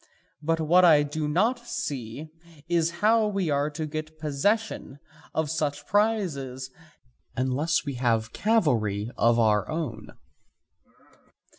But what I do not see is how we are to get possession of such prizes unless we have cavalry of our own.